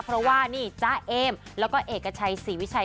เพราะว่านี่จ๊ะเอมแล้วก็เอกชัยศรีวิชัย